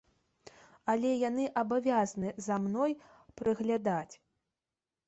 Але яны абавязаны за мной прыглядаць.